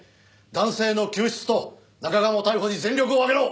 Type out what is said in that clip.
男性の救出と中鴨逮捕に全力を挙げろ！